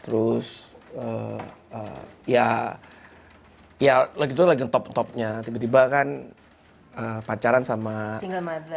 terus ya ya lagi itu lagi top topnya tiba tiba kan pacaran sama